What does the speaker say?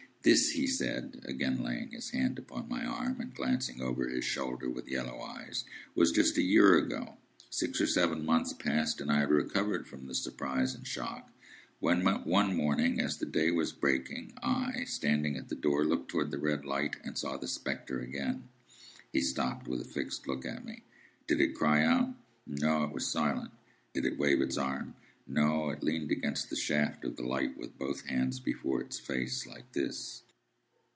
"This," he said, again laying his hand upon my arm, and glancing over his shoulder with hollow eyes, "was just a year ago. Six or seven months passed, and I had recovered from the surprise and shock, when one morning, as the day was breaking, I, standing at the door, looked towards the red light, and saw the spectre again." He stopped, with a fixed look at me. "Did it cry out?" "No. It was silent." "Did it wave its arm?" "No. It leaned against the shaft of the light, with both hands before the face. Like this."